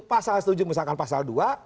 pasal setuju misalkan pasal dua